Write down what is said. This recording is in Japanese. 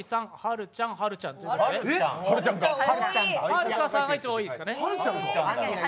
はるかさんが一番多いですね。